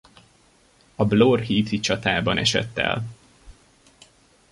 A Blore Heath-i csatában esett el.